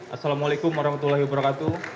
assalamualaikum warahmatullahi wabarakatuh